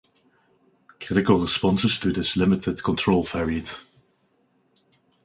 Critical responses to this limited control varied.